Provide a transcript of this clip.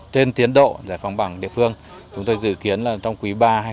trên tiến độ giải phóng bằng địa phương chúng tôi dự kiến trong quý ba hai nghìn hai mươi